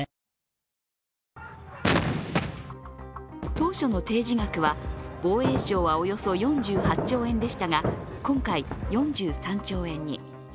当初の提示額は、防衛省はおよそ４８兆円でしたが、今回４３兆円に。